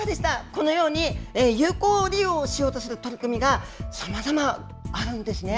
このように、有効利用をしようとする取り組みがあるんですね。